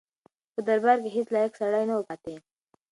په دربار کې هیڅ لایق سړی نه و پاتې.